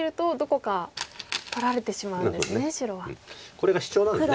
これがシチョウなんです